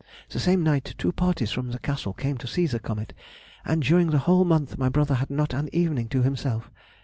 The same night two parties from the Castle came to see the comet, and during the whole month my brother had not an evening to himself.